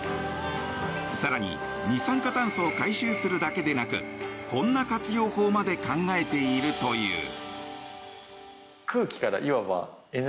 更に、二酸化炭素を回収するだけでなくこんな活用法まで考えているという。